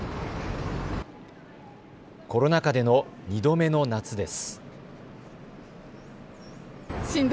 コロナ禍での２度目の夏です。